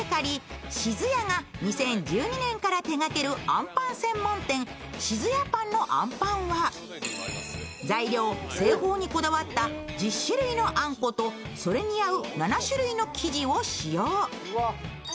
京都の老舗ベーカリー、志津屋が２０１２年から手掛けるあんぱん専門店、ＳＩＺＵＹＡＰＡＮのあんぱんは、材料・製法にこだわった１０種類のあんこと、それに合う７種類の生地を使用。